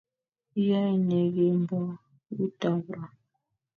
Iyoe ne kemboutab raa?